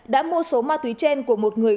đã mua số ma túy trên của một người